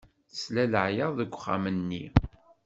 Tesla i leɛyaḍ deg uxxam-nni.